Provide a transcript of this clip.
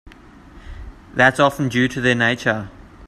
That's often due to their nature.